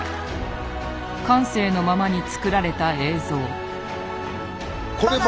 感性のままに作られた映像。